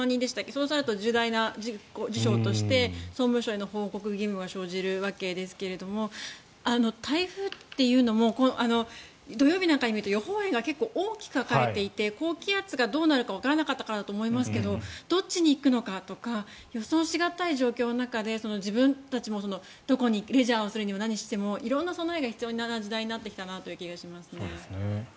そうなると重大な事象として総務省への報告義務が生じるわけですが台風っていうのも土曜日なんか見ると予報円が大きく書かれていて高気圧がどうなるかわからなかったからだと思いますがどっちに行くのかとか予想し難い状況の中で自分たちもどこにレジャーをするにも何するにも色んな備えが必要な時代になってきたなと思いますね。